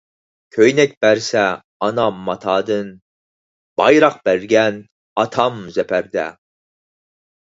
كۆينەك بەرسە ئانام ماتادىن، بايراق بەرگەن ئاتام زەپەردە.